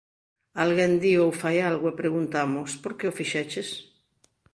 Alguén di ou fai algo e preguntamos "por que o fixeches?".